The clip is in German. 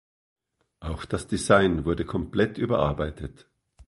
Auch das Design wurde komplett überarbeitet.